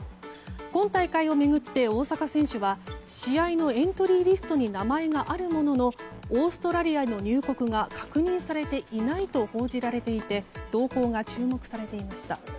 今大会を巡って大坂選手は試合のエントリーリストに名前があるもののオーストラリアへの入国が確認されていないと報じられていて動向が注目されていました。